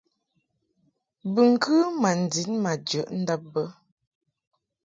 Bɨŋkɨ ma ndin ma jəʼ ndab bə.